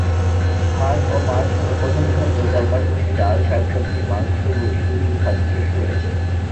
ভাত ও মাছ হলো প্রধান খাদ্য যার পাশাপাশি ডাল, শাক-সবজি, মাংস, রুটি, বিভিন্ন খাদ্যশস্য রয়েছে।